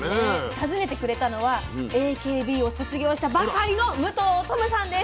訪ねてくれたのはＡＫＢを卒業したばかりの武藤十夢さんです。